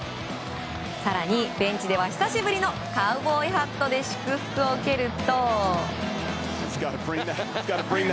更に、ベンチでは久しぶりのカウボーイハットで祝福を受けると。